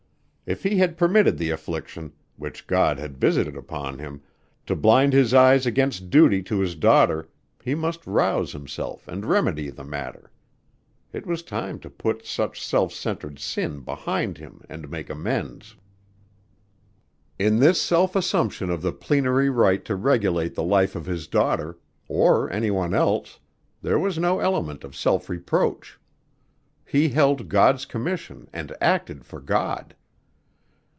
If he had permitted the affliction, which God had visited upon him, to blind his eyes against duty to his daughter, he must rouse himself and remedy the matter. It was time to put such self centered sin behind him and make amends. In this self assumption of the plenary right to regulate the life of his daughter, or any one else, there was no element of self reproach. He held God's commission and acted for God!